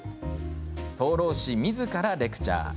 灯籠師みずからレクチャー。